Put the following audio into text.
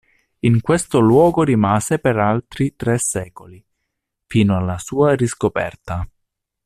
In questo luogo rimase per altri tre secoli, fino alla sua riscoperta.